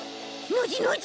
ノジノジ？